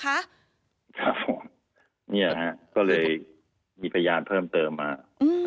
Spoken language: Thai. ครับผมเนี่ยฮะก็เลยมีพยานเพิ่มเติมมา